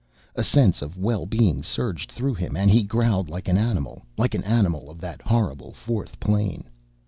A sense of well being surged through him and he growled like an animal, like an animal of that horrible fourth plane.